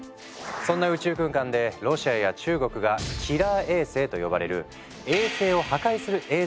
そんな宇宙空間でロシアや中国が「キラー衛星」と呼ばれる衛星を破壊する衛星の研究を進めているんだとか。